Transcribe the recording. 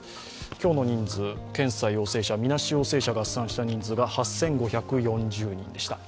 今日の人数、検査陽性者、みなし陽性者、合算した人数が８５４０人でした。